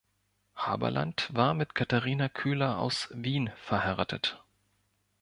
Haberlandt war mit Katharina Köhler aus Wien verheiratet.